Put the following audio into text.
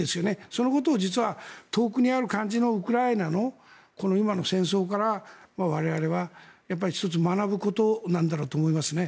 そのことを実は遠くにある肝心のウクライナの今の戦争から我々は１つ学ぶことなんだろうなと思いますね。